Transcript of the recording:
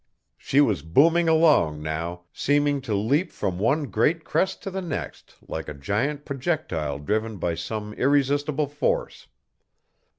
She was booming along now, seeming to leap from one great crest to the next like a giant projectile driven by some irresistible force.